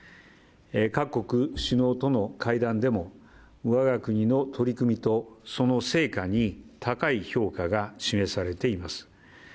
各国首脳との会談でも我が国の取り組みとその成果に高い評価が示されています。